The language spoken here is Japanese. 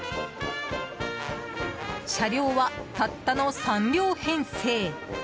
車両は、たったの３両編成。